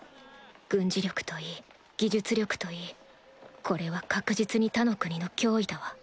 軍事力といい技術力といいこれは確実に他の国の脅威だわ